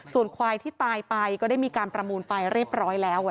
ส่วนควายที่ตายไปก็ได้มีการประมูลไปเรียบร้อยแล้ว